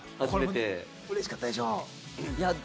嬉しかったでしょ？